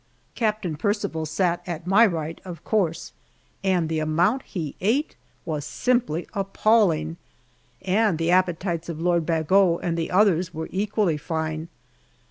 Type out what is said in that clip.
Captain Percival sat at my right, of course, and the amount he ate was simply appalling! And the appetites of Lord Bagot and the others were equally fine.